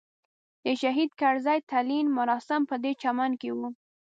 د شهید کرزي تلین مراسم پدې چمن کې وو.